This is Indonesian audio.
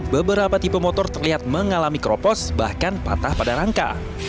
beberapa tipe motor terlihat mengalami keropos bahkan patah pada rangka